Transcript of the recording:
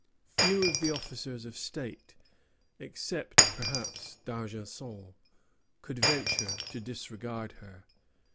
Few of the officers of state, except, perhaps, D'Argenson, could venture to disregard her.